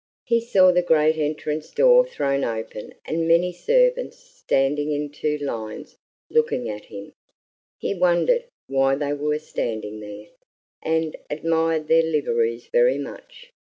He saw the great entrance door thrown open and many servants standing in two lines looking at him. He wondered why they were standing there, and admired their liveries very much.